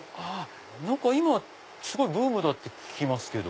今すごいブームだって聞きますけど。